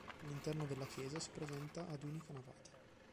L'interno della chiesa si presenta ad unica navata.